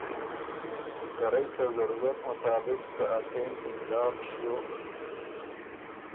ته رئ ته ضرورت مطابق که ا څېن امداد ڒیوک